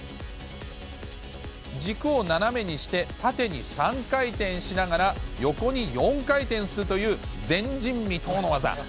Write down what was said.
軸を斜めにして縦に３回転しながら横に４回転するという、前人未到の技。